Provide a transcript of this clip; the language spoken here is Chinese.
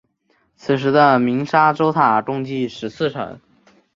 此时的鸣沙洲塔共计十四层。